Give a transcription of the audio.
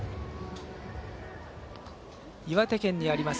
岩手県にあります